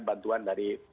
bantuan dari rumah sakit oke